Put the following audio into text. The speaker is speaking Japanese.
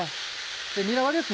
にらはですね